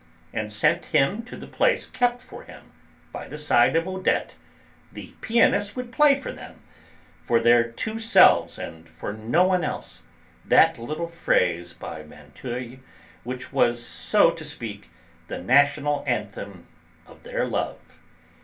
and sent him to the place kept for him, by the side of Odette, the pianist would play to them for their two selves, and for no one else that little phrase by Vinteuil which was, so to speak, the national anthem of their love.